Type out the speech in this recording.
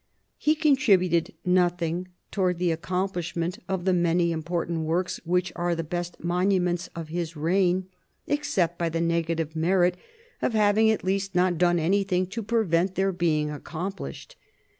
He contributed nothing towards the accomplishment of the many important works which are the best monuments of his reign, except by the negative merit of having at least not done anything to prevent their being accomplished.